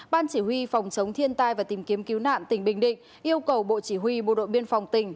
ban chỉ huy phòng chống thiên tai và tìm kiếm cứu nạn tỉnh bình định yêu cầu bộ chỉ huy bộ đội biên phòng tỉnh